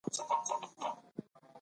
تاریخ د ټولني د تېر وخت هنداره ده.